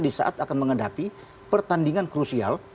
di saat akan menghadapi pertandingan krusial